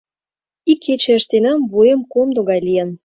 — Ик кече ыштенам, вуем комдо гае лийын.